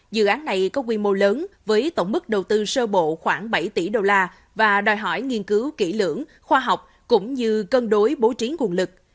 dự án này có quy mô lớn với tổng mức đầu tư sơ bộ khoảng bảy tỷ đô la và đòi hỏi nghiên cứu kỹ lưỡng khoa học cũng như cân đối bố trí nguồn lực